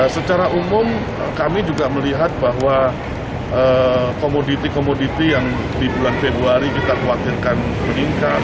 secara umum kami juga melihat bahwa komoditi komoditi yang di bulan februari kita khawatirkan meningkat